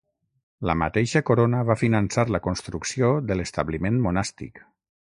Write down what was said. La mateixa corona va finançar la construcció de l'establiment monàstic.